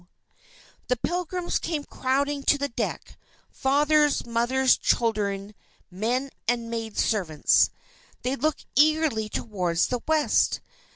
The Pilgrims came crowding to the deck, fathers, mothers, children, men, and maid servants. They looked eagerly toward the west.